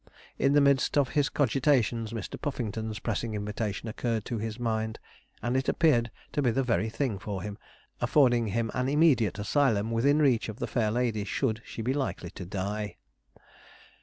In the midst of his cogitations Mr. Puffington's pressing invitation occurred to his mind, and it appeared to be the very thing for him, affording him an immediate asylum within reach of the fair lady, should she be likely to die.